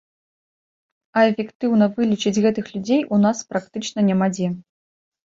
А эфектыўна вылечыць гэтых людзей у нас практычна няма дзе.